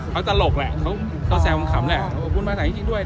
เขาตลกแหละเขาเขาแซมผมขำแหละเขาบอกว่าคุณมาสายจริงจริงด้วย